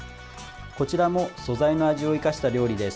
こちらも素材の味を生かした料理です。